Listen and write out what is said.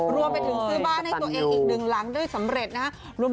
รวมไปถึงซื้อบ้านให้ตัวเองอีกหนึ่งหลังได้สำเร็จนะครับ